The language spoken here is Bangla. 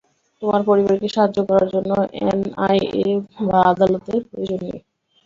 তোমার পরিবারকে সাহায্য করার জন্য এনআইএ বা আদালতের প্রয়োজন নেই।